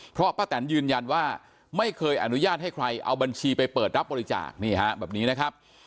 เพราะป้าแตนยืนยันว่าไม่เคยอนุญาตให้ใครเอาบัญชีไปเปิดรับบริจาคนี่ฮะแบบนี้นะครับ